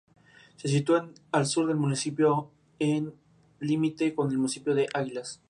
Se sitúa al sur del municipio, en en límite con el municipio de Águilas.